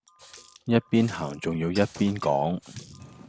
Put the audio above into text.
一邊行仲要一邊講